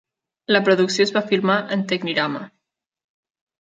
La producció es va filmar en Technirama.